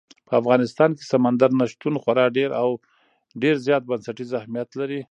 په افغانستان کې سمندر نه شتون خورا ډېر او ډېر زیات بنسټیز اهمیت لري.